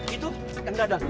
itu kang dadang